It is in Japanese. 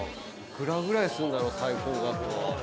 ◆幾らぐらいするんだろう最高額。